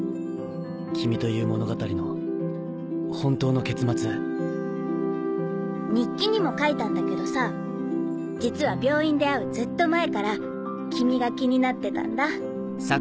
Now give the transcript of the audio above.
君という物語の本当の結末日記にも書いたんだけどさ実は病院で会うずっと前から君が気になってたんだ。